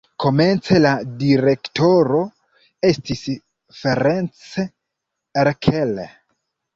Komence la direktoro estis Ferenc Erkel.